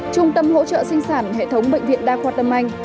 trung tâm hỗ trợ sinh sản hệ thống bệnh viện đa khoa tâm anh